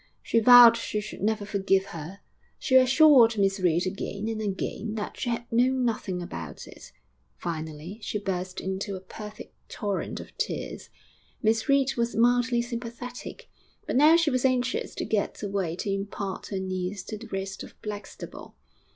She vowed she should never forgive her. She assured Miss Reed again and again that she had known nothing about it. Finally she burst into a perfect torrent of tears. Miss Reed was mildly sympathetic; but now she was anxious to get away to impart her news to the rest of Blackstable.